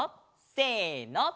せの。